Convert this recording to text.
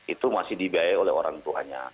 itu masih dibiayai oleh orang tuanya